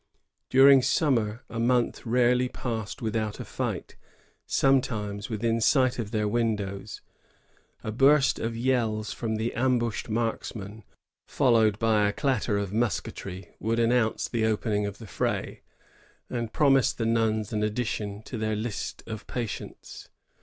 During summer, a month rarely passed without a fight, sometimes within sight of their windows. A burst of yells from the ambushed marksmen, followed by a clatter of musketry, would announce the opening of the fray, and promise the nuns an addition to their list of patients.